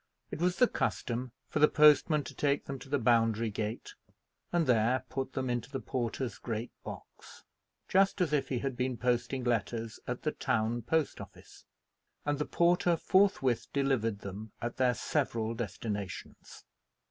It was the custom for the postman to take them to the Boundary gate, and there put them into the porter's great box, just as if he had been posting letters at the town post office; and the porter forthwith delivered them at their several destinations.